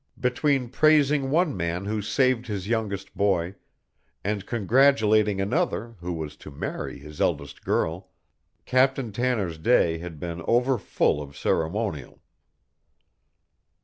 Between praising one man who saved his youngest boy, and congratulating another who was to marry his eldest girl, Captain Tanner's day had been over full of ceremonial.